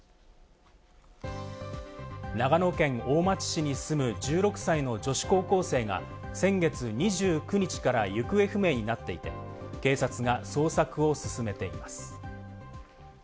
長野県大町市に住む１６歳の女子高校生が先月２９日から行方不明になっていて、警察が捜索を進めています。